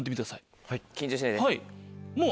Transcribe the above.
緊張しないで。